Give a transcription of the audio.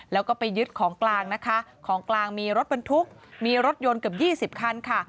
แล้วก็ไปยึดของกลางนะคะของกลางมีรถบรรทุกมีรถยนต์เกือบ๒๐คันค่ะ